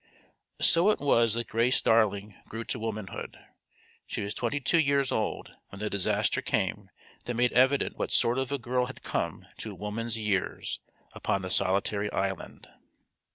So it was that Grace Darling grew to womanhood. She was twenty two years old when the disaster came that made evident what sort of a girl had come to woman's years upon the solitary island.